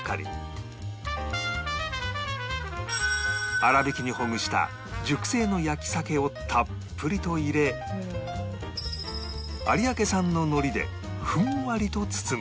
粗びきにほぐした熟成の焼き鮭をたっぷりと入れ有明産の海苔でふんわりと包む